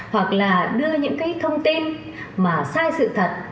hoặc là đưa những cái thông tin mà sai sự thật